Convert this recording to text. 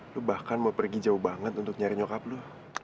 lo bahkan mau pergi jauh banget untuk nyari nyokap lu